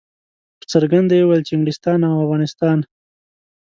په څرګنده یې ویل چې انګلستان او افغانستان.